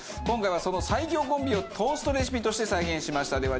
今回はその最強コンビをトーストレシピとして再現しました。